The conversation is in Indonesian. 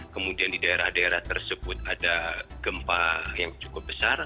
kemudian di daerah daerah tersebut ada gempa yang cukup besar